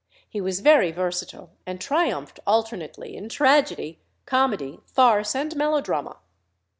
He was very versatile, and triumphed alternately in tragedy, comedy, farce, and melodrama.